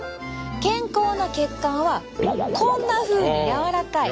健康な血管はこんなふうに柔らかい。